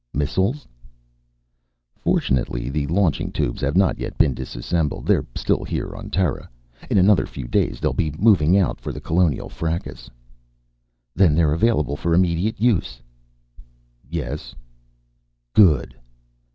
"Missiles?" "Fortunately, the launching tubes have not yet been disassembled. They're still here on Terra. In another few days they'll be moving out for the Colonial fracas." "Then they're available for immediate use?" "Yes." "Good."